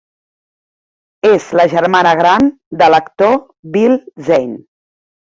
És la germana gran de l"actor Bill Zane.